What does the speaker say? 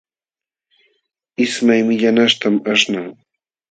Ismay millanaśhtam aśhnan.